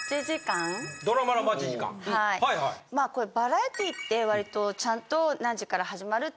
まあバラエティーって割とちゃんと何時から始まるって。